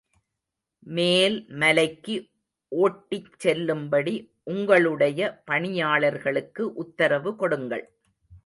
மேல் மலைக்கு ஓட்டிச் செல்லும்படி உங்களுடைய பணியாளர்களுக்கு உத்தரவு கொடுங்கள்.